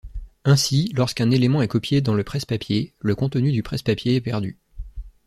Ainsi, lorsqu’un élément est copié dans le presse-papier, le contenu du presse-papier est perdu.